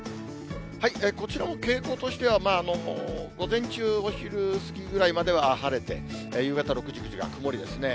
こちらも傾向としては、午前中、お昼過ぎぐらいまでは晴れて、夕方６時、９時が曇りですね。